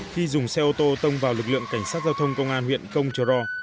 khi dùng xe ô tô tông vào lực lượng cảnh sát giao thông công an huyện công trờ ro